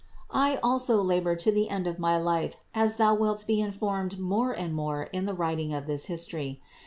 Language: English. I also labored to the end of my life, as thou wilt be informed more and more in the writing of this history.